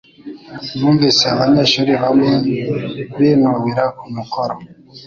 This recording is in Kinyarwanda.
Numvise abanyeshuri bamwe binubira umukoro